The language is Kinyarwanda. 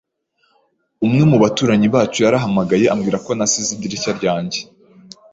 Umwe mu baturanyi bacu yarahamagaye ambwira ko nasize idirishya ryanjye.